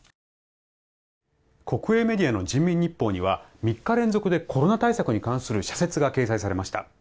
国営メディアの人民日報には３日連続でコロナ対策に関する社説が掲載されました。